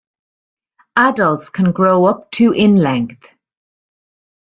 Adults can grow up to in length.